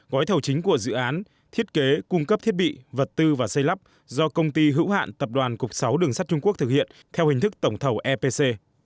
gói thầu chính của dự án thiết kế cung cấp thiết bị vật tư và xây lắp do công ty hữu hạn tập đoàn cục sáu đường sắt trung quốc thực hiện theo hình thức tổng thầu epc